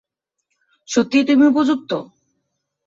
সত্যি তুমি উপযুক্ত?